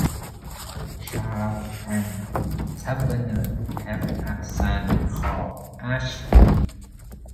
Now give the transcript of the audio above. Charles and Tabberner have a son called Archie.